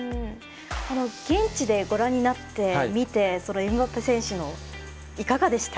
現地でご覧になって見てエムバペ選手のいかがでしたか。